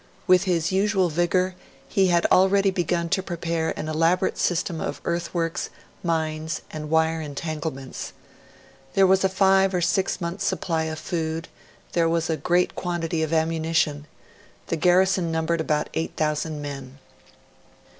With his usual vigour, he had already begun to prepare an elaborate system of earthworks, mines, and wire entanglements. There was a five or six months' supply of food, there was a great quantity of ammunition, the garrison numbered about 8,000 men.